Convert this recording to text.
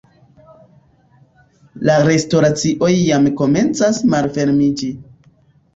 la restoracioj jam komencas malfermiĝi